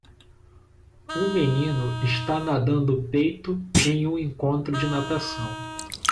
Um menino está nadando peito em um encontro de natação.